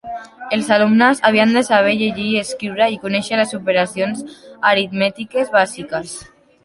Els alumnes havien de saber llegir i escriure i conèixer les operacions aritmètiques bàsiques.